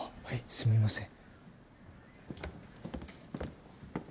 すみません。